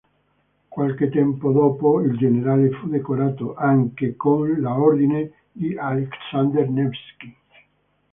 Qualche tempo dopo il generale fu decorato anche con l'Ordine di Aleksandr Nevskij.